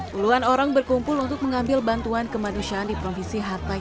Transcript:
puluhan orang berkumpul untuk mengambil bantuan kemanusiaan di provinsi hatay